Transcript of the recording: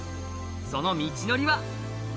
その道のりは？